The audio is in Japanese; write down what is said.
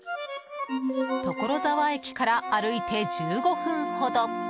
所沢駅から歩いて１５分ほど。